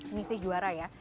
ini sih juara ya